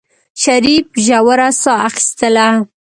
شريف ژوره سا اخېستله.